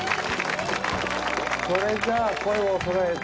それじゃあ声をそろえて。